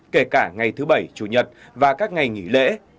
kể cả ngày thứ bảy chủ nhật và các ngày nghỉ lễ